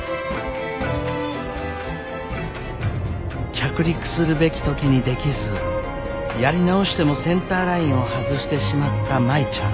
着陸するべき時にできずやり直してもセンターラインを外してしまった舞ちゃん。